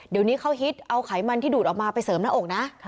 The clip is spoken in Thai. เดี๋ยวนี้เขาฮิตเอาไขมันที่ดูดออกมาไปเสริมหน้าอกนะ